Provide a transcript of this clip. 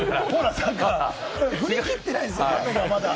振り切ってないんですよ、まだ。